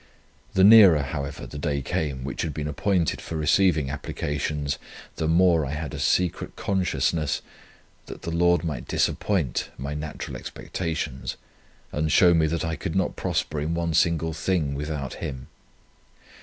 The nearer, however, the day came which had been appointed for receiving applications, the more I had a secret consciousness, that the Lord might disappoint my natural expectations, and show me that I could not prosper in one single thing without Him.